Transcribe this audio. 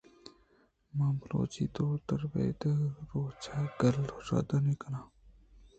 ما بلوچی دود ءُ ربیدگ ءِ روچ ءَ گل ءُ شادانی کن ایں۔